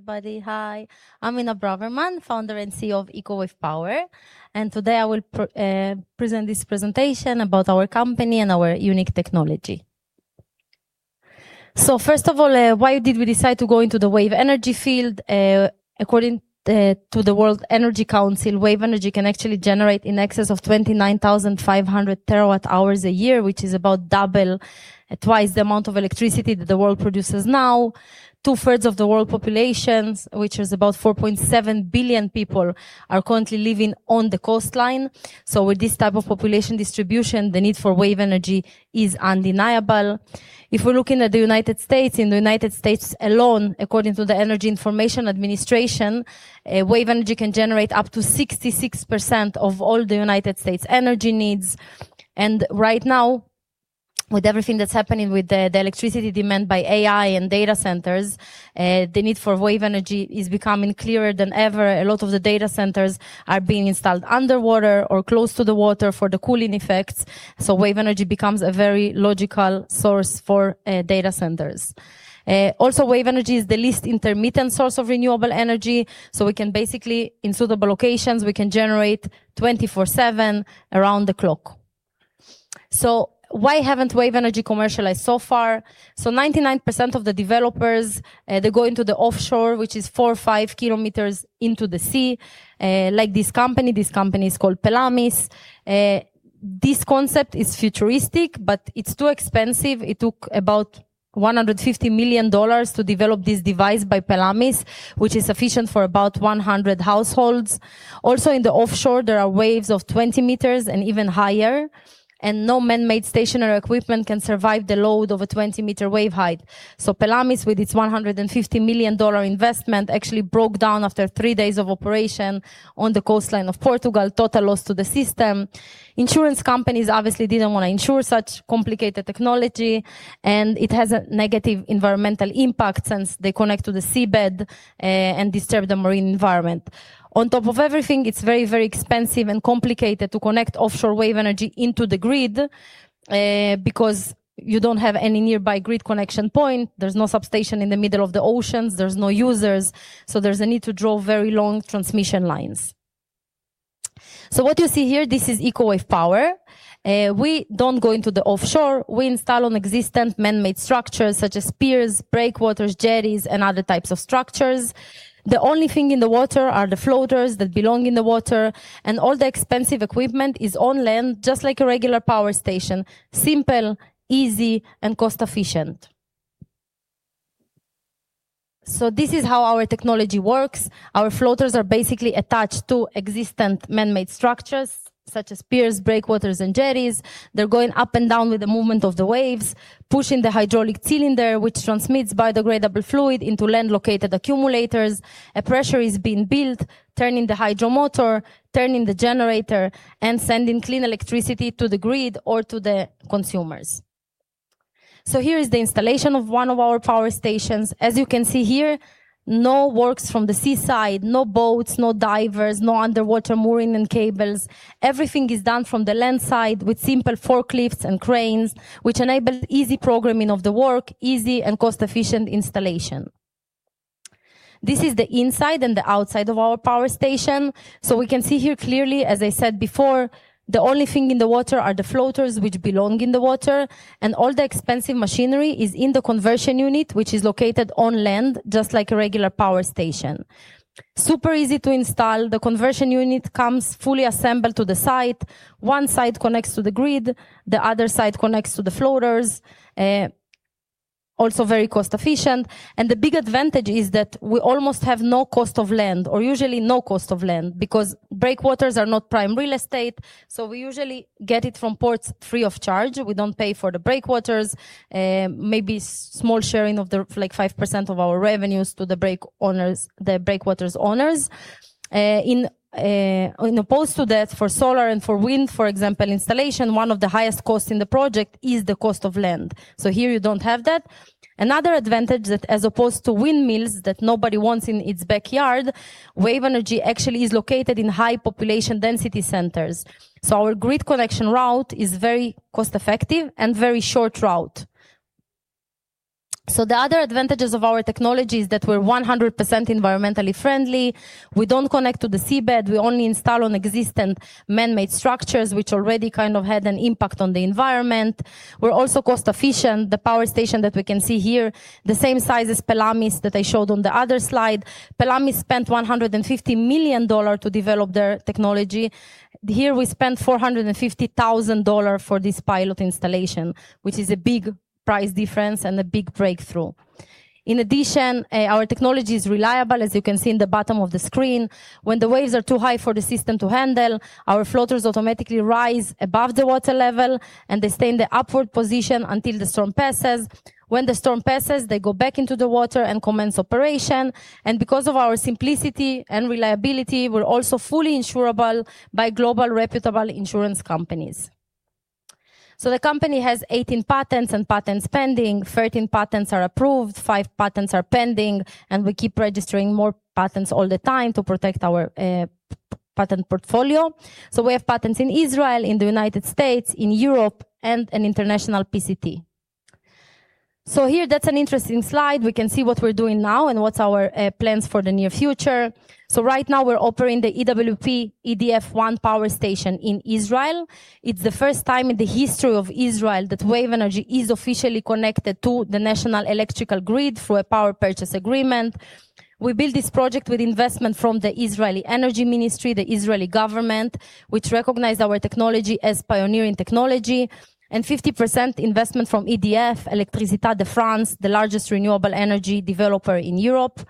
Everybody, hi. I'm Inna Braverman, founder and CEO of Eco Wave Power. Today I will present this presentation about our company and our unique technology. First of all, why did we decide to go into the wave energy field? According to the World Energy Council, wave energy can actually generate in excess of 29,500 terawatt-hours a year, which is about twice the amount of electricity that the world produces now. Two-thirds of the world population, which is about 4.7 billion people, are currently living on the coastline. With this type of population distribution, the need for wave energy is undeniable. If we're looking at the United States, in the United States alone, according to the Energy Information Administration, wave energy can generate up to 66% of all the United States energy needs. Right now, with everything that's happening with the electricity demand by AI and data centers, the need for wave energy is becoming clearer than ever. A lot of the data centers are being installed underwater or close to the water for the cooling effects. Wave energy becomes a very logical source for data centers. Also, wave energy is the least intermittent source of renewable energy. We can basically, in suitable locations, we can generate 24/7 around the clock. Why haven't wave energy commercialized so far? 99% of the developers, they go into the offshore, which is four or five kilometers into the sea. Like this company, this company is called Pelamis. This concept is futuristic, but it's too expensive. It took about $150 million to develop this device by Pelamis, which is sufficient for about 100 households. Also in the offshore, there are waves of 20 meters and even higher, and no man-made stationary equipment can survive the load of a 20-meter wave height. Pelamis, with its $150 million investment, actually broke down after three days of operation on the coastline of Portugal. Total loss to the system. Insurance companies obviously didn't want to insure such complicated technology. It has a negative environmental impact since they connect to the seabed and disturb the marine environment. On top of everything, it's very, very expensive and complicated to connect offshore wave energy into the grid, because you don't have any nearby grid connection point. There's no substation in the middle of the oceans. There's no users. There's a need to draw very long transmission lines. What you see here, this is Eco Wave Power. We don't go into the offshore. We install on existing man-made structures such as piers, breakwaters, jetties, and other types of structures. The only thing in the water are the floaters that belong in the water. All the expensive equipment is on land, just like a regular power station. Simple, easy, and cost-efficient. This is how our technology works. Our floaters are basically attached to existing man-made structures such as piers, breakwaters, and jetties. They're going up and down with the movement of the waves, pushing the hydraulic cylinder, which transmits biodegradable fluid into land-located accumulators. A pressure is being built, turning the hydro motor, turning the generator, sending clean electricity to the grid or to the consumers. Here is the installation of one of our power stations. As you can see here, no works from the seaside, no boats, no divers, no underwater mooring and cables. Everything is done from the land side with simple forklifts and cranes, which enable easy programming of the work, easy and cost-efficient installation. This is the inside and the outside of our power station. We can see here clearly, as I said before, the only thing in the water are the floaters which belong in the water, and all the expensive machinery is in the conversion unit, which is located on land, just like a regular power station. Super easy to install. The conversion unit comes fully assembled to the site. One side connects to the grid, the other side connects to the floaters. Also very cost-efficient. The big advantage is that we almost have no cost of land, or usually no cost of land, because breakwaters are not prime real estate. We usually get it from ports free of charge. We don't pay for the breakwaters. Maybe small sharing of five percent of our revenues to the breakwaters owners. As opposed to that, for solar and for wind, for example, installation, one of the highest costs in the project is the cost of land. Here you don't have that. Another advantage that as opposed to windmills that nobody wants in its backyard, wave energy actually is located in high population density centers. Our grid connection route is very cost-effective and very short route. The other advantages of our technology is that we're 100% environmentally friendly. We don't connect to the seabed. We only install on existing man-made structures, which already kind of had an impact on the environment. We're also cost-efficient. The power station that we can see here, the same size as Pelamis that I showed on the other slide. Pelamis spent $150 million to develop their technology. Here we spent $450,000 for this pilot installation, which is a big price difference and a big breakthrough. In addition, our technology is reliable, as you can see in the bottom of the screen. When the waves are too high for the system to handle, our floaters automatically rise above the water level, and they stay in the upward position until the storm passes. When the storm passes, they go back into the water and commence operation. Because of our simplicity and reliability, we're also fully insurable by global reputable insurance companies. The company has 18 patents and patents pending. 13 patents are approved, five patents are pending, and we keep registering more patents all the time to protect our patent portfolio. We have patents in Israel, in the United States, in Europe, and an international PCT. Here, that's an interesting slide. We can see what we're doing now and what's our plans for the near future. Right now we're operating the EWP-EDF One power station in Israel. It's the first time in the history of Israel that wave energy is officially connected to the national electrical grid through a power purchase agreement. We built this project with investment from the Israeli Energy Ministry, the Israeli government, which recognized our technology as pioneering technology, and 50% investment from EDF, Électricité de France, the largest renewable energy developer in Europe.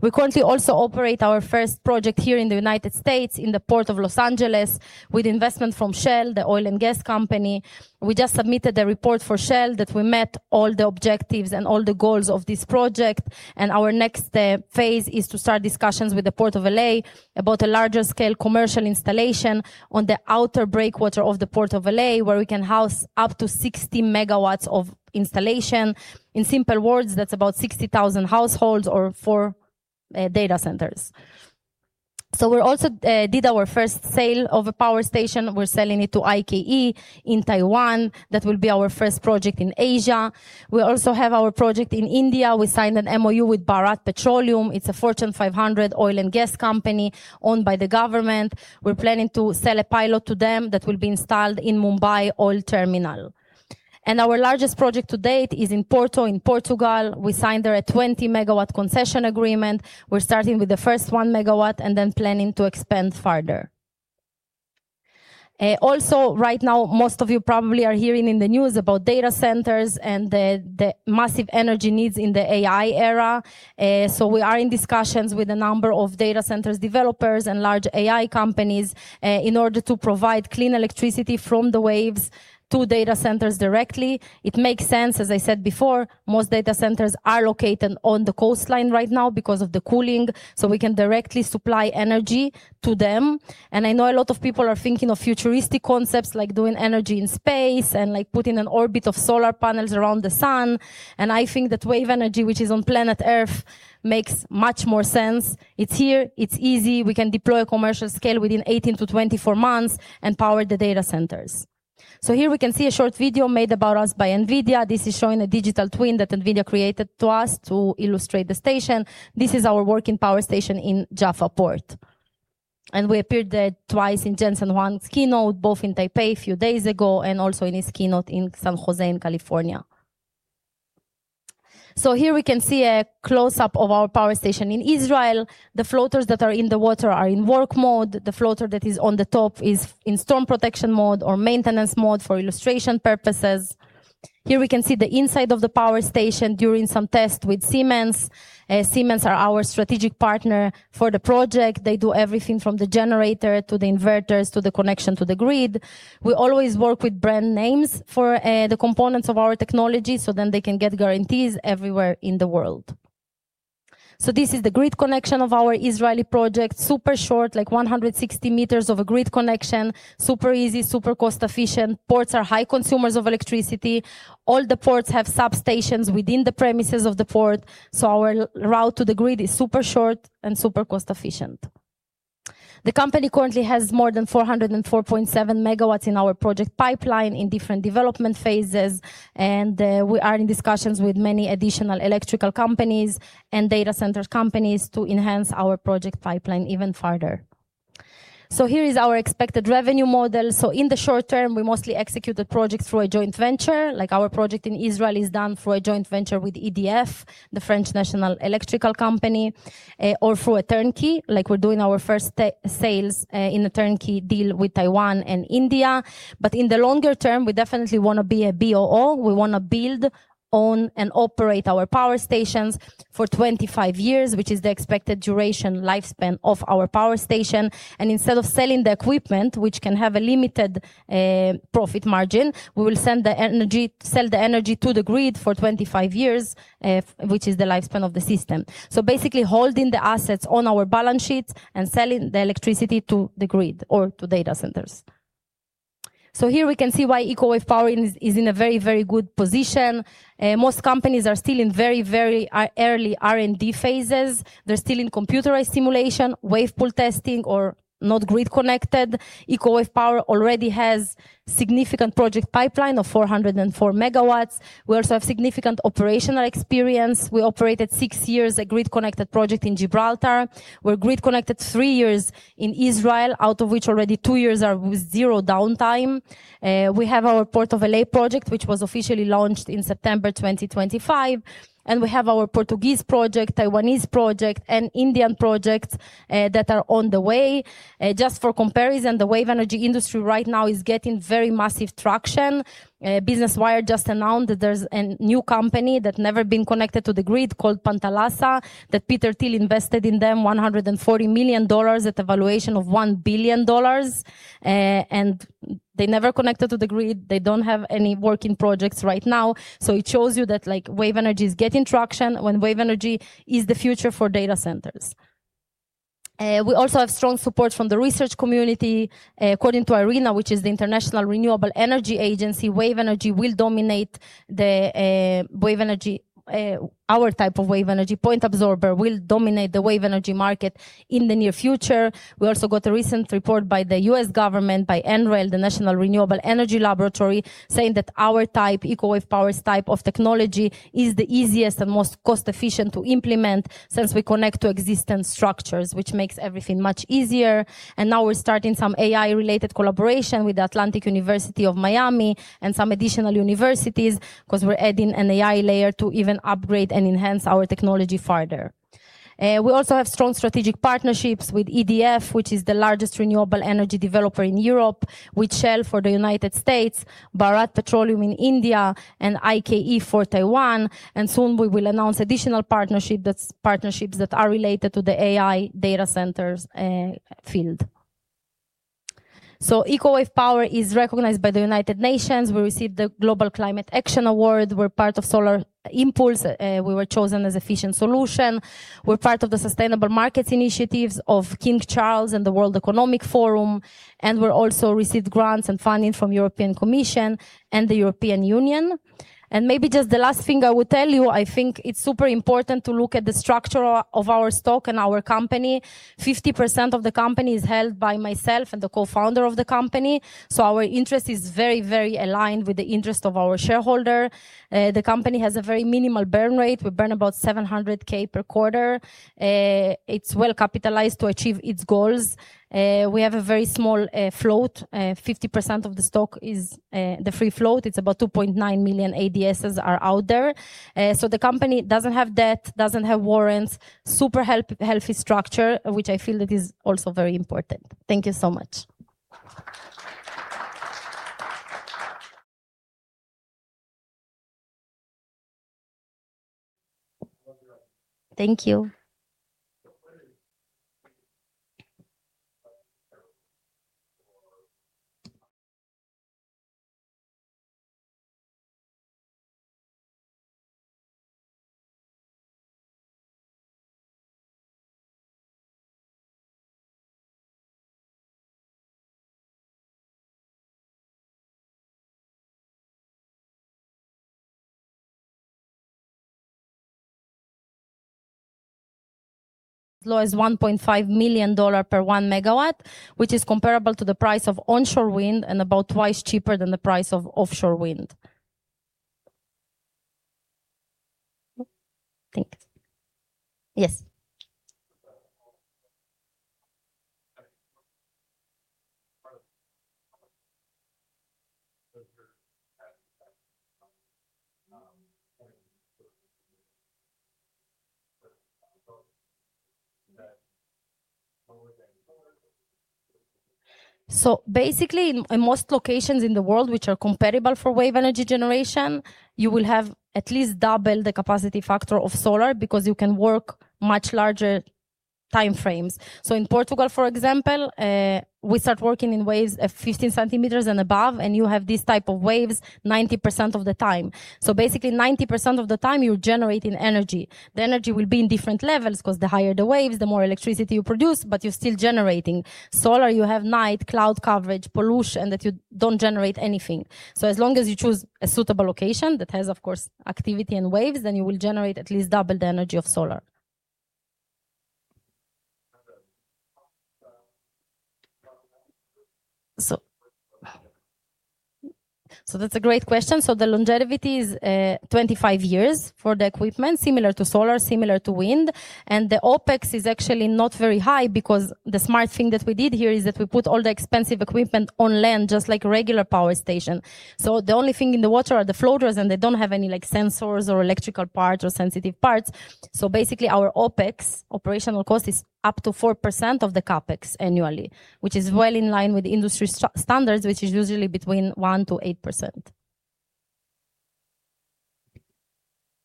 We currently also operate our first project here in the United States in the Port of Los Angeles with investment from Shell, the oil and gas company. We just submitted a report for Shell that we met all the objectives and all the goals of this project. Our next phase is to start discussions with the Port of L.A. about a larger scale commercial installation on the outer breakwater of the Port of L.A., where we can house up to 60 MW of installation. In simple words, that's about 60,000 households or four data centers. We also did our first sale of a power station. We're selling it to I-Ke in Taiwan. That will be our first project in Asia. We also have our project in India. We signed an MoU with Bharat Petroleum. It's a Fortune 500 oil and gas company owned by the government. We're planning to sell a pilot to them that will be installed in Mumbai Oil Terminal. Our largest project to date is in Porto, in Portugal. We signed there a 20 MW concession agreement. We're starting with the first one MW and then planning to expand further. Also, right now, most of you probably are hearing in the news about data centers and the massive energy needs in the AI era. We are in discussions with a number of data centers, developers, and large AI companies, in order to provide clean electricity from the waves to data centers directly. It makes sense, as I said before, most data centers are located on the coastline right now because of the cooling. We can directly supply energy to them. I know a lot of people are thinking of futuristic concepts like doing energy in space and putting an orbit of solar panels around the sun. I think that wave energy, which is on planet Earth, makes much more sense. It's here, it's easy. We can deploy a commercial scale within 18-24 months and power the data centers. Here we can see a short video made about us by Nvidia. This is showing a digital twin that Nvidia created to us to illustrate the station. This is our working power station in Jaffa Port. We appeared there twice in Jensen Huang's keynote, both in Taipei a few days ago, and also in his keynote in San Jose, California. Here we can see a close-up of our power station in Israel. The floaters that are in the water are in work mode. The floater that is on the top is in storm protection mode or maintenance mode for illustration purposes. Here we can see the inside of the power station during some tests with Siemens. Siemens are our strategic partner for the project. They do everything from the generator to the inverters, to the connection to the grid. We always work with brand names for the components of our technology. Then they can get guarantees everywhere in the world. This is the grid connection of our Israeli project. Super short, like 160 m of a grid connection, super easy, super cost efficient. Ports are high consumers of electricity. All the ports have substations within the premises of the port, so our route to the grid is super short and super cost efficient. The company currently has more than 404.7 MW in our project pipeline in different development phases. We are in discussions with many additional electrical companies and data center companies to enhance our project pipeline even further. Here is our expected revenue model. In the short term, we mostly execute the project through a joint venture, like our project in Israel is done through a joint venture with EDF, the French national electrical company, or through a turnkey, like we're doing our first sales in a turnkey deal with Taiwan and India. In the longer term, we definitely want to be a BOO. We want to build, own, and operate our power stations for 25 years, which is the expected duration lifespan of our power station. Instead of selling the equipment, which can have a limited profit margin, we will sell the energy to the grid for 25 years, which is the lifespan of the system. Basically holding the assets on our balance sheet and selling the electricity to the grid or to data centers. Here we can see why Eco Wave Power is in a very good position. Most companies are still in very early R&D phases. They're still in computerized simulation, wave pool testing, or not grid-connected. Eco Wave Power already has significant project pipeline of 404 MW. We also have significant operational experience. We operated 6 years a grid-connected project in Gibraltar. We're grid-connected three years in Israel, out of which already two years are with zero downtime. We have our Port of L.A. project, which was officially launched in September 2025, and we have our Portuguese project, Taiwanese project, and Indian projects that are on the way. Just for comparison, the wave energy industry right now is getting very massive traction. Business Wire just announced that there's a new company that never been connected to the grid called Panthalassa, that Peter Thiel invested in them $140 million at a valuation of $1 billion. They never connected to the grid, they don't have any working projects right now. It shows you that wave energy is getting traction, and wave energy is the future for data centers. We also have strong support from the research community. According to IRENA, which is the International Renewable Energy Agency, our type of wave energy, point absorber, will dominate the wave energy market in the near future. We also got a recent report by the U.S. government, by NREL, the National Renewable Energy Laboratory, saying that our type, Eco Wave Power's type of technology, is the easiest and most cost-efficient to implement since we connect to existing structures, which makes everything much easier. Now we're starting some AI-related collaboration with the Atlantic University of Miami and some additional universities because we're adding an AI layer to even upgrade and enhance our technology further. We also have strong strategic partnerships with EDF, which is the largest renewable energy developer in Europe, with Shell for the U.S., Bharat Petroleum in India, and I-Ke for Taiwan, and soon we will announce additional partnerships that are related to the AI data centers field. Eco Wave Power is recognized by the United Nations. We received the Global Climate Action Award. We're part of Solar Impulse. We were chosen as efficient solution. We're part of the sustainable markets initiatives of King Charles and the World Economic Forum, and we're also received grants and funding from European Commission and the European Union. Maybe just the last thing I will tell you, I think it's super important to look at the structure of our stock and our company. 50% of the company is held by myself and the co-founder of the company, so our interest is very aligned with the interest of our shareholder. The company has a very minimal burn rate. We burn about $700,000 per quarter. It's well capitalized to achieve its goals. We have a very small float. 50% of the stock is the free float. It's about 2.9 million ADSs are out there. The company doesn't have debt, doesn't have warrants. Super healthy structure, which I feel that is also very important. Thank you so much. Thank you. As low as $1.5 million per one megawatt, which is comparable to the price of onshore wind and about twice cheaper than the price of offshore wind. Think. Yes. Basically, in most locations in the world which are comparable for wave energy generation, you will have at least double the capacity factor of solar because you can work much larger time frames. In Portugal, for example, we start working in waves of 15 centimeters and above, and you have these type of waves 90% of the time. Basically 90% of the time you're generating energy. The energy will be in different levels because the higher the waves, the more electricity you produce, but you're still generating. Solar, you have night, cloud coverage, pollution, that you don't generate anything. As long as you choose a suitable location that has, of course, activity and waves, then you will generate at least double the energy of solar. That's a great question. The longevity is 25 years for the equipment, similar to solar, similar to wind, and the OPEX is actually not very high because the smart thing that we did here is that we put all the expensive equipment on land just like regular power station. The only thing in the water are the floaters, and they don't have any sensors or electrical parts or sensitive parts. Basically our OPEX, operational cost, is up to four percent of the CAPEX annually, which is well in line with industry standards, which is usually between one percent-eight percent.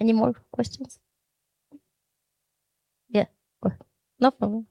Any more questions? Yeah. Go ahead. No problem.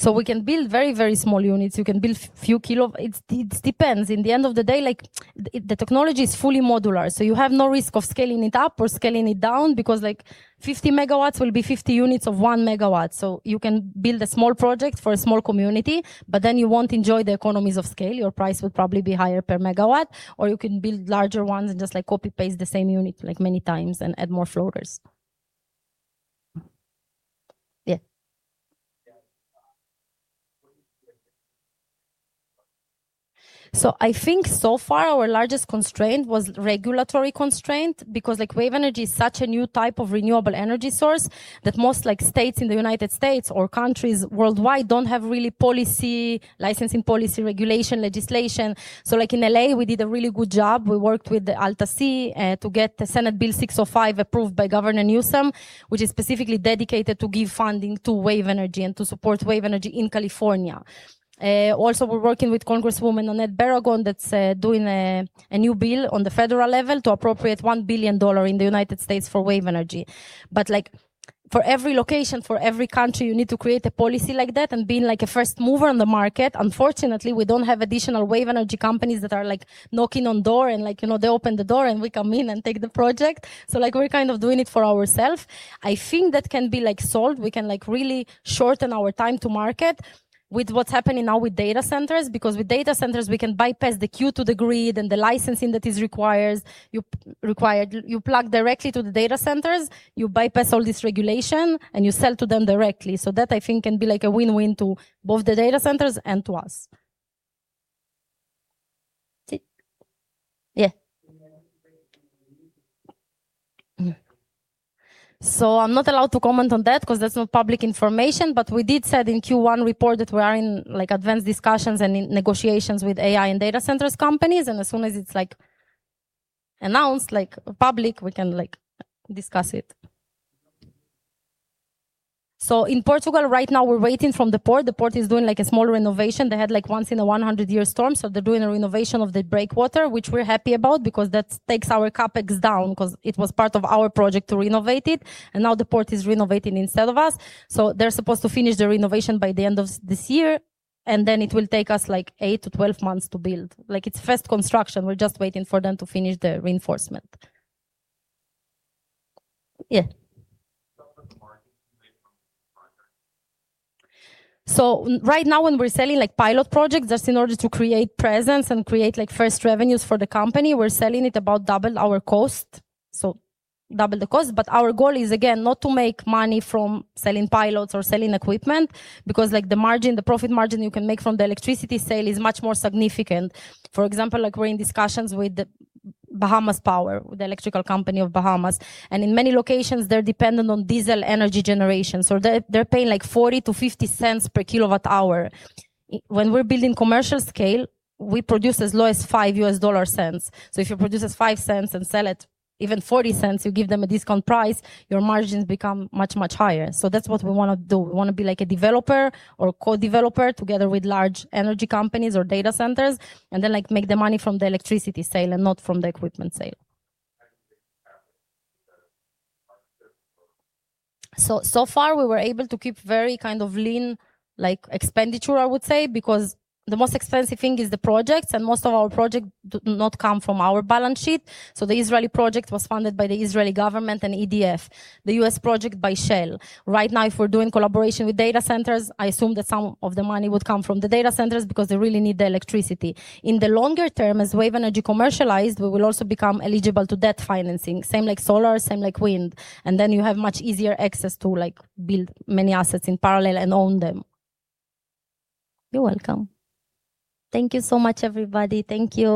Mm-hmm. We can build very small units. You can build few kilo It depends. In the end of the day, the technology is fully modular, so you have no risk of scaling it up or scaling it down because 50 mw will be 50 units of one mw. You can build a small project for a small community, but then you won't enjoy the economies of scale. Your price will probably be higher per megawatt, or you can build larger ones and just copy-paste the same unit many times and add more floaters. Yeah. I think so far our largest constraint was regulatory constraint because wave energy is such a new type of renewable energy source that most states in the United States or countries worldwide don't have really licensing policy, regulation legislation. Like in L.A., we did a really good job. We worked with AltaSea to get the Senate Bill 605 approved by Governor Newsom, which is specifically dedicated to give funding to wave energy and to support wave energy in California. We're working with Congresswoman Nanette Barragán that's doing a new bill on the federal level to appropriate $1 billion in the U.S. for wave energy. For every location, for every country, you need to create a policy like that and be a first mover in the market. Unfortunately, we don't have additional wave energy companies that are knocking on door and they open the door and we come in and take the project. We're kind of doing it for ourself. I think that can be solved. We can really shorten our time to market with what's happening now with data centers, because with data centers, we can bypass the queue to the grid and the licensing that is required. You plug directly to the data centers, you bypass all this regulation, and you sell to them directly. That I think can be a win-win to both the data centers and to us. Yeah. I'm not allowed to comment on that because that's not public information. We did said in Q1 report that we are in advanced discussions and in negotiations with AI and data centers companies, and as soon as it's announced public, we can discuss it. In Portugal right now, we're waiting from the port. The port is doing a small renovation. They had once in a 100-year storm, they're doing a renovation of the breakwater, which we're happy about because that takes our CapEx down because it was part of our project to renovate it, and now the port is renovating instead of us. They're supposed to finish the renovation by the end of this year, and then it will take us 8- 12 months to build. It's fast construction. We're just waiting for them to finish the reinforcement. Yeah. What's the margin you make from project? Right now when we're selling pilot projects, just in order to create presence and create first revenues for the company, we're selling it about double our cost. Double the cost, but our goal is, again, not to make money from selling pilots or selling equipment because the margin, the profit margin you can make from the electricity sale is much more significant. For example, we're in discussions with Bahamas Power, the electrical company of Bahamas, and in many locations, they're dependent on diesel energy generation. They're paying $0.40 - $0.50 per kilowatt hour. When we're building commercial scale, we produce as low as $0.05. If you produce it $0.05 and sell it even $0.40, you give them a discount price, your margins become much, much higher. That's what we want to do. We want to be a developer or co-developer together with large energy companies or data centers, and then make the money from the electricity sale and not from the equipment sale. So far we were able to keep very kind of lean expenditure, I would say, because the most expensive thing is the projects, and most of our projects do not come from our balance sheet. The Israeli project was funded by the Israeli government and EDF, the U.S. project by Shell. Right now, if we're doing collaboration with data centers, I assume that some of the money would come from the data centers because they really need the electricity. In the longer term, as wave energy commercialize, we will also become eligible to debt financing, same like solar, same like wind, and then you have much easier access to build many assets in parallel and own them. You're welcome. Thank you so much, everybody. Thank you